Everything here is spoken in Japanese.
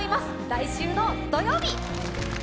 来週土曜日！